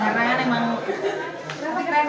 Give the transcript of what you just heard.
karena emang keren ya